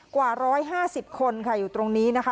กว่า๑๕๐คนค่ะอยู่ตรงนี้นะคะ